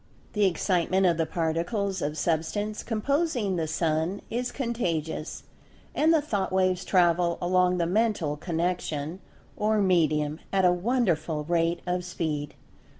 The Excitement of the Particles of Substance composing the Sun is "contagious," and the Thought waves travel along the Mental Connection, or medium, at a wonderful rate of speed.